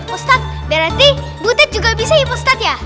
ustadz berandi butet juga bisa ya ustadz ya